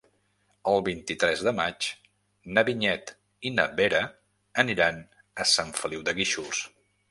El vint-i-tres de maig na Vinyet i na Vera aniran a Sant Feliu de Guíxols.